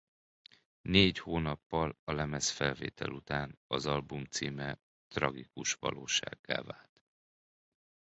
Négy hónappal a lemezfelvétel után az album címe tragikus valósággá vált.